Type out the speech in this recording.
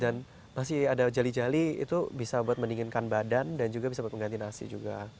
dan masih ada jali jali itu bisa buat mendinginkan badan dan juga bisa buat mengganti nasi juga